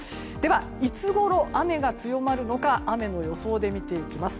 いつごろ雨が強まるのか雨の予想で見ていきます。